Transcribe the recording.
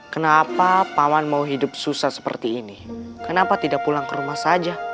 kenapa pawan mau hidup susah seperti ini kenapa tidak pulang ke rumah saja